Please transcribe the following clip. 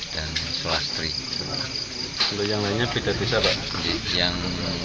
dan selastri selamat untuk yang lainnya pilih dari siapa yang